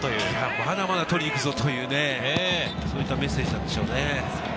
まだまだ取りに行くぞという、そういうメッセージなんでしょうね。